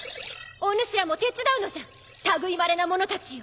おぬしらも手伝うのじゃ類いまれな者たちよ！